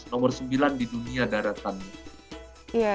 nomor sembilan di dunia daratan